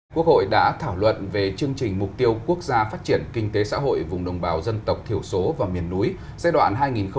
quốc hội đã thảo luận về chương trình mục tiêu quốc gia phát triển kinh tế xã hội vùng đồng bào dân tộc thiểu số và miền núi giai đoạn hai nghìn hai mươi một hai nghìn ba mươi